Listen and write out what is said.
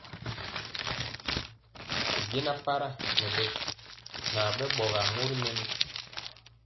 Ne jɛna para nɛ bɛ nabɛ bɔgar bori mɛnɔ.